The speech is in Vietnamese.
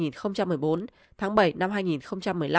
tháng bảy năm hai nghìn một mươi năm